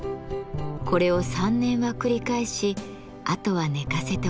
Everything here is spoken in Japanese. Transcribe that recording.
これを３年は繰り返しあとは寝かせておきます。